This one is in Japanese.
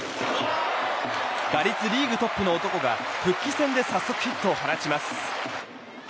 打率リーグトップの男が復帰戦で早速ヒットを放ちます。